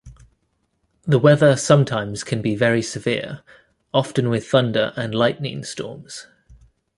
The weather sometimes can be very severe, often with thunder and lightning storms.